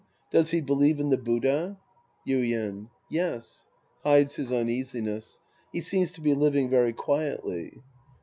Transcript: Does he believe in the Buddha ? Yuien. Yes. {Hides his uneasiness.) He seems to be living very quietly.